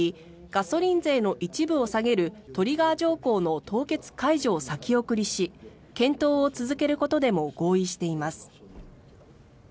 ガソリン税の一部を下げるトリガー条項の凍結解除を先送りし検討を続けることでも合意しています。